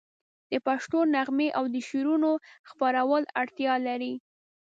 د پښتو نغمې او د شعرونو خپرول اړتیا لري.